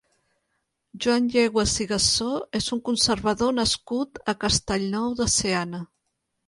Joan Yeguas i Gassó és un conservador nascut a Castellnou de Seana.